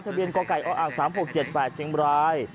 เบียนกไก่ออ๓๖๗๘เชียงบราย